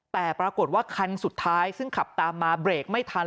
แต่ปรากฏว่าคันสุดท้ายซึ่งขับตามมาเบรกไม่ทัน